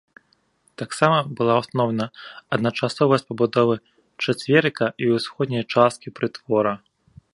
Таксама была ўстаноўлена адначасовасць пабудовы чацверыка і ўсходняй часткі прытвора.